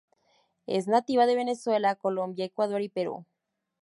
Es nativa de Venezuela, Colombia, Ecuador y Perú.